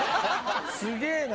すげえな。